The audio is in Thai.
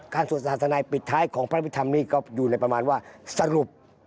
สวดศาสนาปิดท้ายของพระพิธรรมนี้ก็อยู่ในประมาณว่าสรุป